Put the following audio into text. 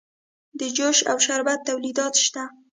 د جوس او شربت تولیدات شته